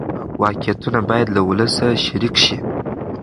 واقعیتونه باید له ولس سره شریک شي.